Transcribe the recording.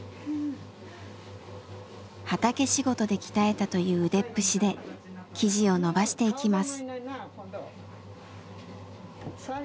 畑仕事で鍛えたという腕っぷしで生地をのばしていきます。